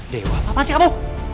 dewa apaan sih kamu